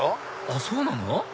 あっそうなの？